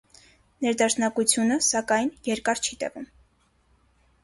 Ներդաշնակությունը, սակայն, երկար չի տևում։